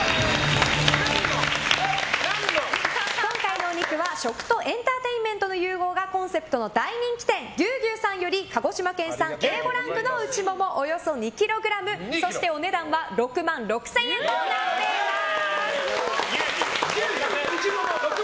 今回のお肉は、食とエンターテインメントの融合がコンセプトの大人気店牛牛さんより鹿児島県産Ａ５ランクうちももおよそ２ｋｇお値段は６万６０００円となっています。